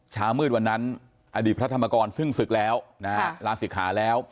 เช้ามืดวันนั้นอดีตพระธรรมกรซึ่งศึกแล้วนะฮะลาศิกขาแล้ว